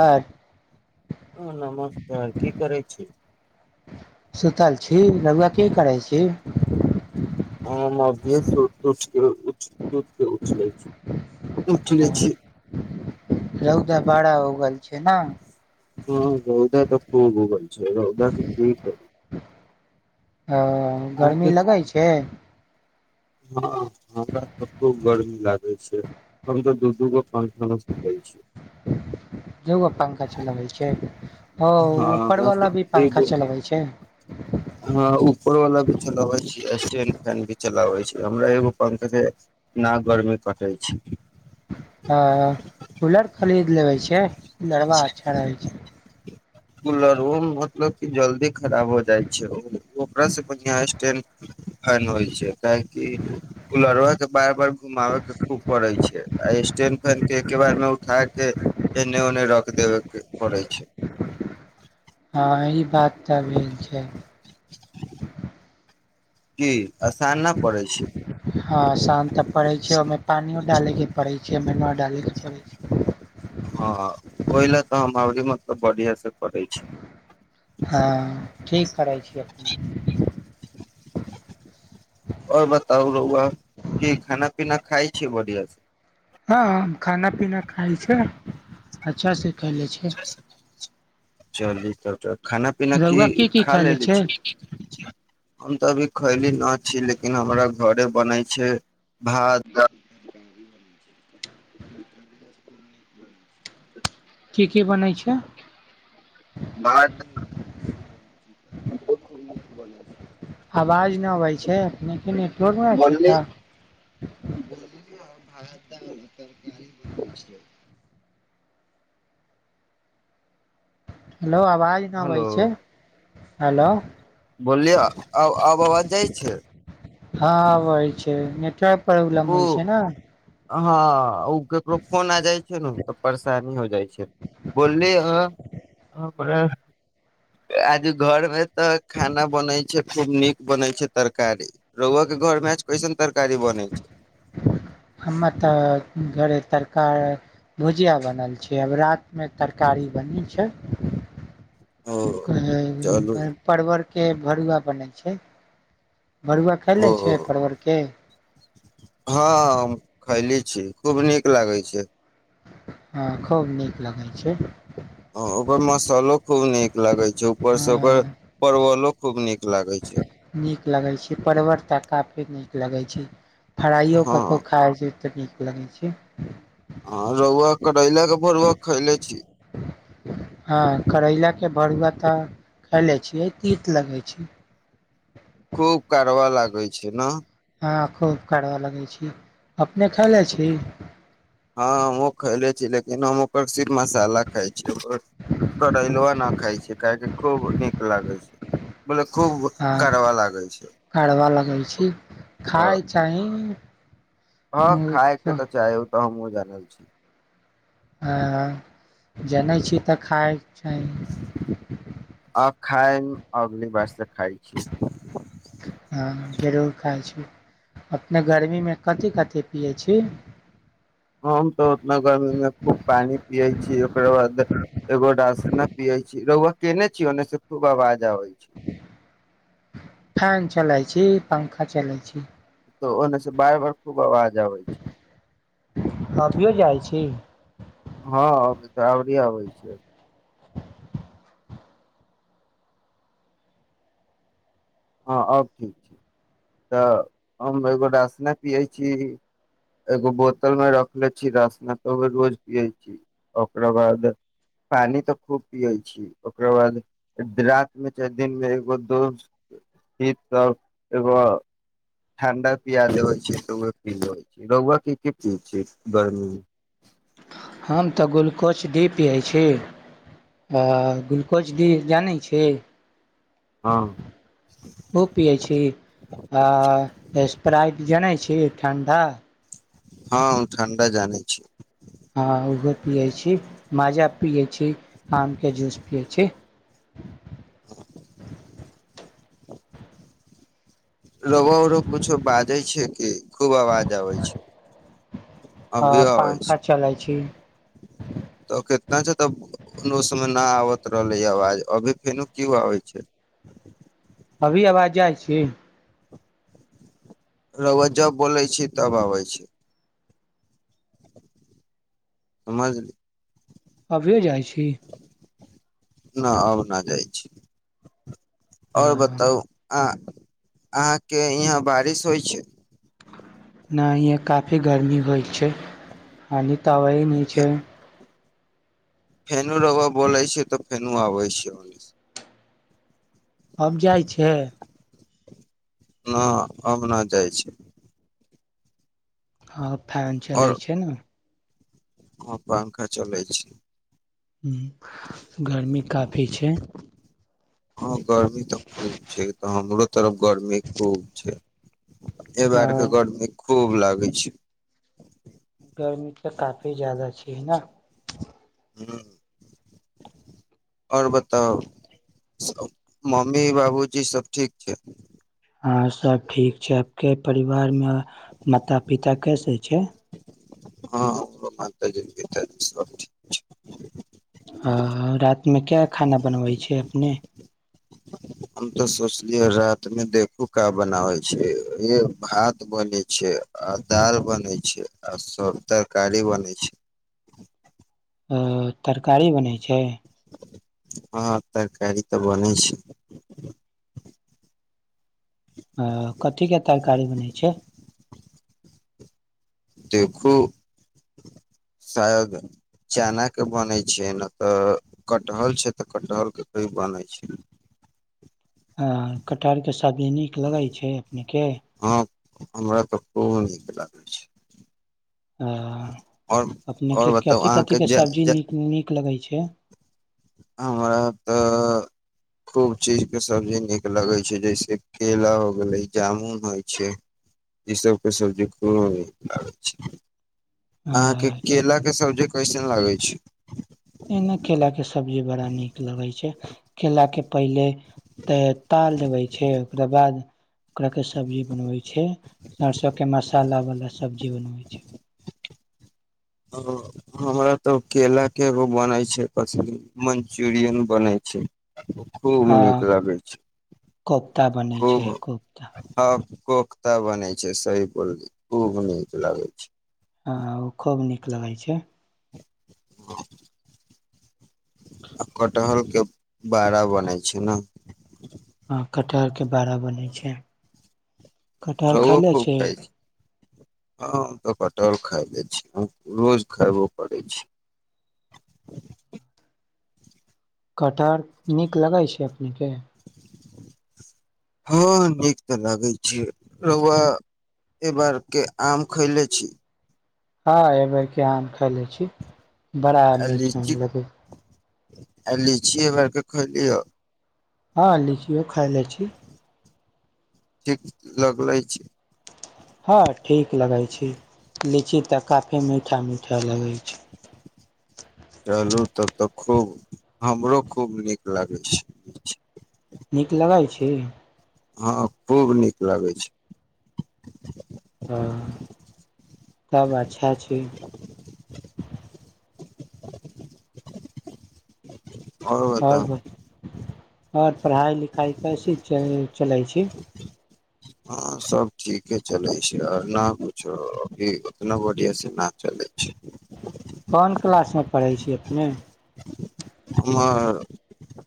ह ह नमस्कार की करै छी [unintelligible] [unintelligible] [unintelligible] [unintelligible] अहाँके [unintelligible] हँ हमरा तऽ खूब गर्मी लाग होय छै कभी ते दु दुगो एगो पंखा चलाबै छिये। हाँ ओकरा से एगो चलबै छै हाँ ऊपर वला चलाबै छी स्टेन फैन भी चलाबै छिये हमरा एगो पंख के ना गर्मी कटै छै। आ कूलर खरीद लेबै छै कुलरबा अच्छा रहै छै। कूलरबो मे मतलब की जल दी खराब हो जाय छै ओ ओकरा से बढ़िया स्टैंन फैन होय छै। कायकि कुलरबा बार बार घुमाबे के खूब पड़े छै आ स्टैन फैन के एके बार मे उठा के एने ओन्ने रख देबे के पड़ै छै। हाँ ई बात त भेल छै। की असान न पड़ै छै। हाँ असान ते पड़े छै ओयमे पानियो डाले के पड़ै छै [unintelligible] डालैके पड़ै छै। हाँ हाँ ओय ले ते हम अबरी मतलब बढ़ियाँ से पढ़े छी। हाँ ठीक करै छीये अपने। और बताउ रौआ की खाना पीना खाय छियै बढ़िया से। हम खाना पीना खाय छै। अच्छा से कायल जाय छै। चली तब ते खाना पीना की रौआ खा खैले लेले छै छी। अभी खैली ना छी लेकिन हमरा घरे बनै छै भात दाल। की की बनै छै। भात बने छै। अवाज ने आबै छै अपनेके नेटवर्क ने छै बनले का। बोलू भात दाल तरकारी बनै छै। हेलो अवाज ने आबे हेलो छै। हेलो। बोललियै आब आब आवाज जाइ छै। हँ, अवइ छै नेट प्रबलम ओ होइ छै न। हँ। ओ ककरो फोन आ जाइ छै ने तऽ परेशानी हो जाइ छै बोलले आज घरमे तऽ खाना बनै छै। खूब नीक बनै छै तरकारी, रउवा के घर मे कैसन तरकारी बनै छै। हममे तऽ घरे तरकारी भुजिया बनल छै, आब राति मे तरकारी बनी छै। ओ कहई चलू परबर के भरुआ बनै छै। भरुआ खाय ओ ले छै परवल के। खैईली छी, खूब नीक लागै छै। हँ, खूब नीक लगै छै। ओ ओकर मसालो खूब नीक लागै छै, ऊपर से ओकर परवलो खूब नीक लागै छै। नीक लगै छै, परवर त काफी नीक लगै छै। फरााइयो ककरो हँ खाइ छै। त नीक लगैत छै। हँ, रौआ करैला के भरुआ खईले छी। हँ, करैला के भरुआ तऽ खा ले छियै, तीत लगै छै। खूब कारव लागै छै न। हँ, खूब कड़वा लगै छी। अपने खयले छी। हँ हमहू खइले छी लेकिन हम ओकर से मसाला खााय छै, करैलुआ न खााय छै काहके खूब नीक लागे छै। बोले खूब हँ, कारवा लागै छै कडवा लगै छी, ह खााय चाही हँ, खायके तऽ चाहओ तऽ हमहु जानल छी। हँ, जनै छी तऽ खाइ चाही। आ खाइ, अबकी बार सँ खाइ छी। हँ, जरूर खाइ छी, अपने गर्मी मे कथिी कथेक पियै छी। हम तऽ उतना गर्मीमे खूब पानि पियै छी, ओकररा बाद एगो रासना पियै छी, रौआ कयने छी ओन्नसँ खूब आवाज आबै छै। फैन चलाय छी, पंखा चलाय छी। त ओने से बार बार खूब आवाज जवई छी। अभियो जाइ छी [unintelligible] [unintelligible] [unintelligible] [unintelligible] [unintelligible] [unintelligible] छी हँ ठण्डा हँ ठण्डा जानै छी हँ ओहो पियै छी माजा पियै छी आमके जूस पियै छी [unintelligible] [unintelligible] [unintelligible] अभी अबै छै [unintelligible] [inaudible] तऽ केतना छै तऽ समय न आबैत रहलै आवाज अभी फेनो किओ आबै छै अभी आवाज जाइ छी रौआ जब बोलै छी तब आबै छी समझली अभियो जाइ छी न आबना जाइ छी आओर बताउ आँ अहाँके इहाँ बारिश होइ छै नै इहाँ काफी गर्मी होइ छै खालि तवइ फे नीचे फेनू रौआ बोलय छैऽ त फेनू आबै छै ओहि सँ हम जाइ छै न हम न जाइ छै हँ फैन चलै और छै ने हँ पंखा चलै छै हूँ गर्मी काफी छै हँ गर्मी तऽ खूब छै ओ तऽ हमरो तरफ गरमी खूब छै आ [unintelligible] खूब लागै छै गर्मी तऽ काफी ज्यादा छै ने ह आओर बताउ, मम्मी बाबूजी सब ठीक छै। हं, सब ठीक छै आब के परिवार में माता पिता कैसे छै। हँ, माता जी पिता जी सब ठीक छै। ह, रात मे क्या खाना बनबै छै अपने। हम तऽ सोचलियै राति मे देखू क बनाबै छै, भात बनेै छै, आ दाल बनै छै, आ सब तरकारी बनै छै। अ तरकारी बनै छै। हँ, तरकारी तऽ बनै छै। ह, कथीके तरकारी बनै छै। देखू शायद चनाके बनै छै नहि तऽ कटहल छै तऽ कटहर के की बनै छै। आ कटहर के सब सबजी नीक लगै छै। नीके हँ हमरा तऽ खब नीक लागै छै। आ, आओर अपने आओर के बताउ कथिी कथी अहाँके के सब्जी नीक नीक लगै छै। छ हमरा तऽ खूब चीजके सबजी नीक लगै छै, जइसे केरा हो गेलै जामुन होइ छै, इसभके सबजी खूब नीक लागै छै। अहाँ के अ केला के सब्जी कैसन लागै छै। सबजी बड़ा नीक लगै छै, केला के पहिले तऽ ताल देबै छै ओकरा बाद ओकरा के सब्जी बनबै छै, सरिसोे मसालावला सब्जी बनबै छै। हाँ, हमरा तऽ केलाके एगो बनै छै पस मन्चुरियन बनै छै। खूब आ नीक लगै छै, कोफ्ता बने खूब छै कोफ्ता हँ कोख्ता बनै छै सही बोलल खूब नीक लागै छै। हँ, ओ खूब नीक लगै छै। आ कटहरके बड़ा बनै छै न। हँ, कटहरके बाड़ा बनै छै। कटहर रवओ खैले खूब छी खइ छै हँ तऽ कटहर खाय दै छै। रोज खइबो करी छै। कटहर नीक लगै छै ओखनी के। हँ, नीक तऽ लागै छै, रउवा ए बार के आम खैले छी। हँ, एहि बेर क आम खले छी। बड़ा आ मीठा लीची लगी आ लीची ईबर के खलियौ। हँ, लीचियो खााय ले छी। ठीक लगलै छै। हँ, ठीक लगै छी, लीची तऽ काफी मीठा मीठा लगै छै। चलू तब तऽ खूब हमरो खूब नीक लागै छै। नीक लगै छी। हँ, खूब नीक लागै छै। सब अच्छा छै। और बता और पढ़ाई लिखाई कैसी चली चलई छै। हां सब ठीके चलै छै, आर ना कुछो अभी उतना बढ़िया से ना चलै छै। कोन किलासमे पढ़ै छियै अपने। हम और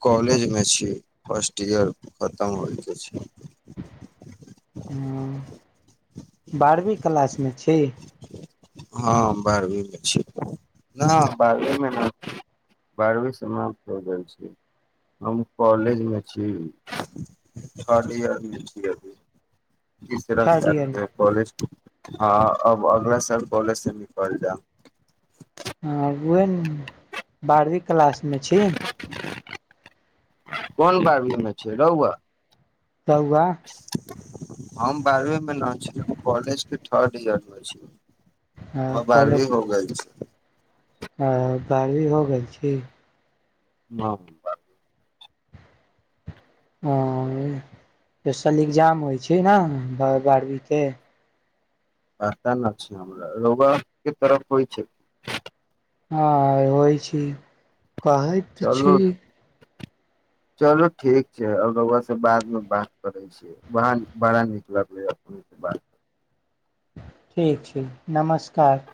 कॉलेजमे छियै फर्स्ट ईयर खतम होइके छै। हुं बारहवीं किलासमे छी। हां बारहवींमे छी, ना बारहवीमे नै छी, बारहवी समाप्त भ गेल छै, हम कॉलेजमे छी थर्ड इयरमे छी अभी। तीसरा थर्ड साल ईयरमे छियै कॉलेज के। हां, अब अगला साल कालेज से निकल जायब। आगुए ने बारबी क्लासमे छी। कोन बारहवीमे छै रहुआ। कौआा हम बारहवीं मे ना छियै, कालेज मे थर्ड इयर मे छी। हां बारहवीं हो गइल छै। हां, बारहवी हो गेल छी। ह हां, दोसर इग्जाम होइ छै ने बारहवीं के। पता नै छै हमरा, रउआ के तरफ होइ छै। हां, होइ छै। कहय त छी। चलु ठीक छै और रउआ से बादमे बात करै छियै, वहां बड़ा नीक लगैये नीक बात ठीक छै नमस्कार।